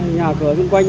nhà cửa xung quanh